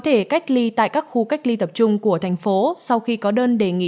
thể cách ly tại các khu cách ly tập trung của thành phố sau khi có đơn đề nghị từ vùng dịch về